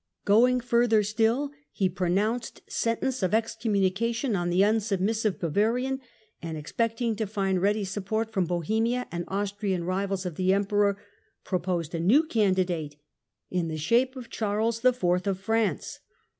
Going further still, he pro nounced sentence of excommunication on the unsub missive Bavarian, and expecting to find ready support from Bohemian and Austrian rivals of the Emperor, proposed a new candidate in the shape of Charles IV. of France.